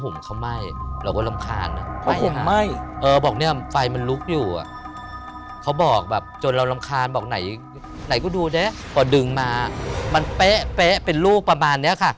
มันเป๊ะเป๊ะเป็นลูกประมาณนี้ค่ะ